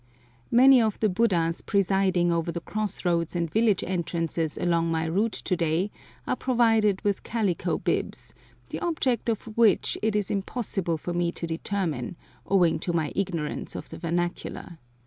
Many of the Buddhas presiding over the cross roads and village entrances along my route to day are provided with calico bibs, the object of which it is impossible for me to determine, owing to my ignorance of the vernacular.